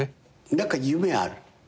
何か夢ある？